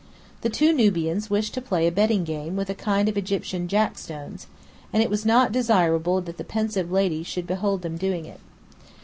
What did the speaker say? The two Nubians wished to play a betting game with a kind of Egyptian Jack stones, and it was not desirable that the pensive lady should behold them doing it.